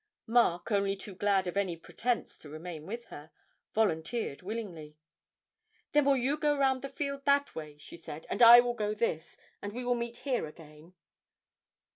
Mark, only too glad of any pretence to remain with her, volunteered willingly. 'Then will you go round the field that way,' she said, 'and I will go this, and we will meet here again?'